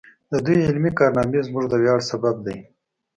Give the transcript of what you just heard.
د دوی علمي کارنامې زموږ د ویاړ سبب دی.